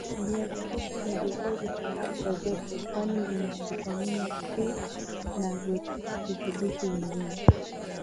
viazi lishe ni vizuri kwa afya zetu kwani vina vitamini A na virutubishi vingine